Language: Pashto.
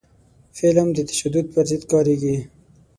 قلم د تشدد پر ضد کارېږي